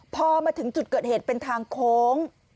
พอมาถึงจุดเกิดเหตุเป็นทางโค้ง